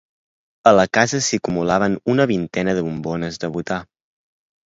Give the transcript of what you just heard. A la casa s'hi acumulaven una vintena de bombones de butà.